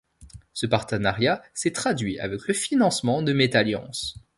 Ce partenariat s'est traduit avec le financement de Metalliance.